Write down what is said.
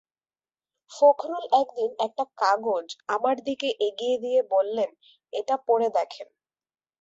ফখরুল একদিন একটা কাগজ আমার দিকে এগিয়ে দিয়ে বললেন, এটা পড়ে দেখেন।